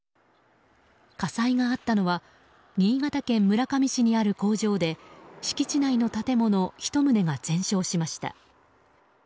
火災があったのは新潟県村上市にある工場で敷地内の建物１棟が全焼しました。